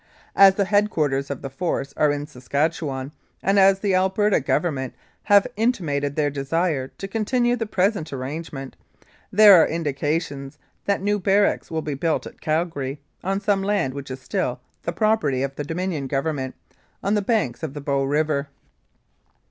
As the head quarters of the Force are in Saskatchewan, and as the Alberta Government have intimated their desire to continue the present arrange ment, there are indications that new barracks will be built at Calgary on some land which is still the pro perty of the Dominion Government, on the banks of the Bow River.